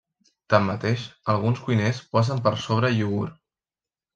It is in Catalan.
Tanmateix, alguns cuiners posen per sobre iogurt.